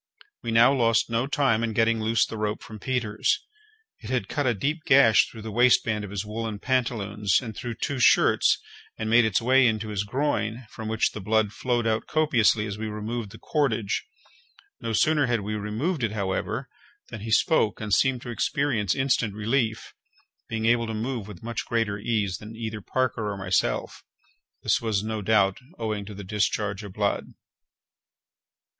We now lost no time in getting loose the rope from Peters. It had cut a deep gash through the waistband of his woollen pantaloons, and through two shirts, and made its way into his groin, from which the blood flowed out copiously as we removed the cordage. No sooner had we removed it, however, than he spoke, and seemed to experience instant relief—being able to move with much greater ease than either Parker or myself—this was no doubt owing to the discharge of blood.